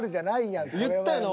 言ったよな